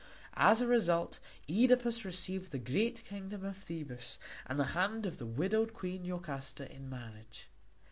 As a reward Œdipus received the great kingdom of Thebes and the hand of the widowed queen Jocasta in marriage.